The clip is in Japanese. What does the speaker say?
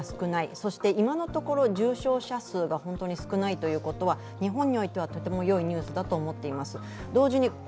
そして今のところ重症者数が少ないということは日本においてもとてもよいニュースだと思っています。